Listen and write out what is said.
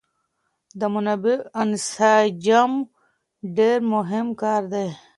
د منابعو انسجام ډېر مهم کار دی.